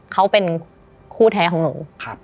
เขาเป็นคู่แท้ของหนู